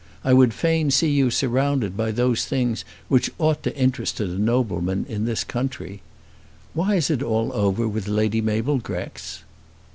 I would fain see you surrounded by those things which ought to interest a nobleman in this country. Why is it all over with Lady Mabel Grex?"